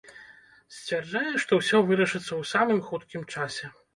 Сцвярджае, што ўсё вырашыцца у самым хуткім часе.